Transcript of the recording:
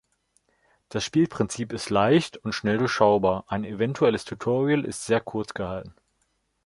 Das Spielprinzip ist leicht und schnell durchschaubar, ein eventuelles Tutorial ist sehr kurz gehalten.